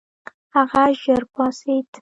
هغه ژر پاڅېد.